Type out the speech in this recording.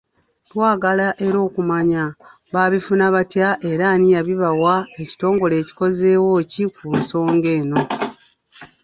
Twagala era okumanya baabifuna batya era ani yabibawa, ekitongole kikozeewo ki ku nsonga eno.